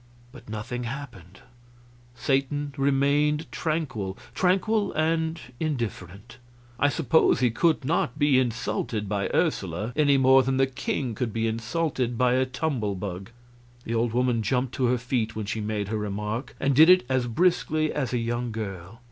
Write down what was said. But nothing happened; Satan remained tranquil tranquil and indifferent. I suppose he could not be insulted by Ursula any more than the king could be insulted by a tumble bug. The old woman jumped to her feet when she made her remark, and did it as briskly as a young girl.